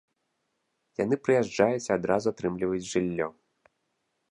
Яны прыязджаюць і адразу атрымліваюць жыллё.